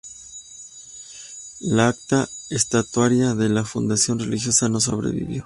La acta estatutaria de la fundación religiosa no sobrevivió.